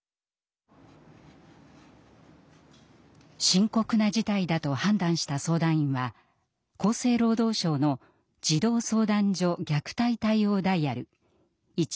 深刻な事態だと判断した相談員は厚生労働省の児童相談所虐待対応ダイヤル「１８９」の連絡先を伝えました。